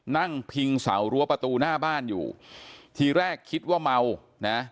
นั่งพิงเสารั้วประตูหน้าบ้านอยู่ทีแรกคิดว่าเมานะ